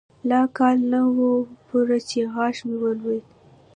لا کال نه و پوره چې غاښ مې ولوېد.